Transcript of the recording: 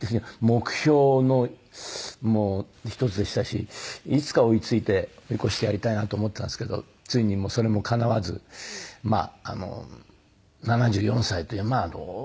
目標の一つでしたしいつか追いついて追い越してやりたいなと思っていたんですけどついにそれもかなわず７４歳というまあ当時としては